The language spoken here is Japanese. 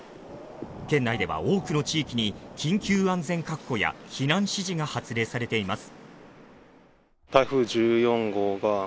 県内では多くの地域に緊急安全確保や避難指示が発令されています